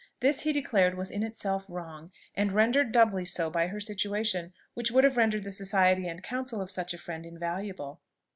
This he declared was in itself wrong, and rendered doubly so by her situation, which would have rendered the society and counsel of such a friend invaluable.